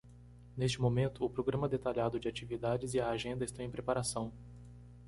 Neste momento, o programa detalhado de atividades e a agenda estão em preparação.